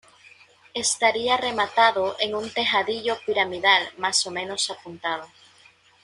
Estaría rematado en un tejadillo piramidal más o menos apuntado.